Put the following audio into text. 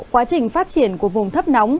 quá trình phát triển của vùng thấp nóng